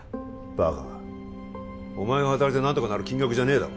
バカがお前が働いて何とかなる金額じゃねえだろ